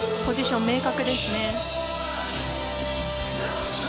ポジション明確ですね。